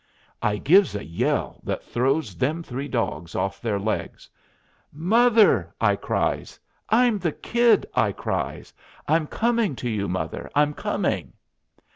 I gives a yell that throws them three dogs off their legs. "Mother!" I cries. "I'm the Kid," I cries. "I'm coming to you. Mother, I'm coming!"